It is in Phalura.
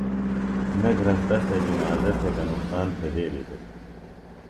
نہ گھرستہ سےۡ جنازہ تھےۡ گہ نُقصان پھیدیلیۡ دےۡ